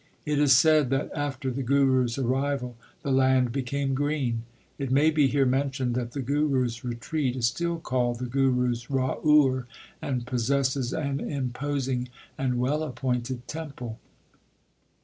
It is said that after the Guru s arrival the land became green. It may be here mentioned that the Guru s retreat is still called the Guru s Raur, and possesses an imposing and well appointed temple.